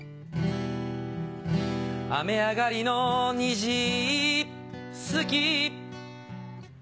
雨上がりの虹好き